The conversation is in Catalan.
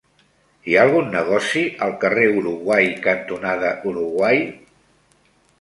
Hi ha algun negoci al carrer Uruguai cantonada Uruguai?